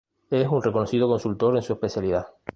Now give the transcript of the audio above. Es un reconocido consultor en su especialidad.